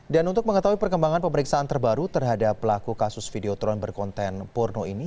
dan untuk mengetahui perkembangan pemeriksaan terbaru terhadap pelaku kasus videotron berkonten porno ini